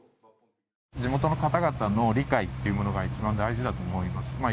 地元の方々の理解が一番大事だと思います。